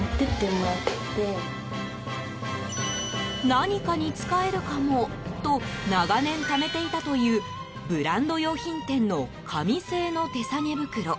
何かに使えるかもと長年ためていたというブランド洋品店の紙製の手提げ袋。